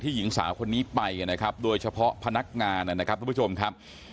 หญิงสาวคนนี้ไปนะครับโดยเฉพาะพนักงานนะครับทุกผู้ชมครับ